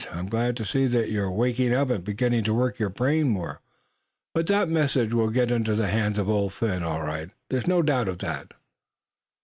I'm glad to see that you're waking up, and beginning to work your brain more. But that message will get into the hands of Old Phin, all right, there's no doubt of that."